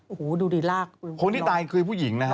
โอ้โหดูดีลากคนที่ตายคือผู้หญิงนะฮะ